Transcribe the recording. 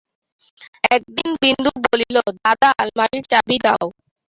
একদিন বিন্দু বলিল, দাদা আলমারির চাবি দাও।